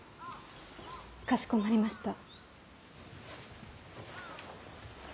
かしこまりました。